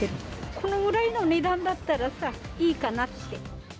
このぐらいの値段だったらさ、いいかなって。